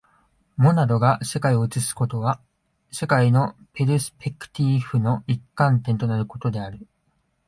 モナドが世界を映すことは、世界のペルスペクティーフの一観点となることである。